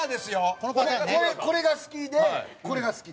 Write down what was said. これが好きでこれが好きで。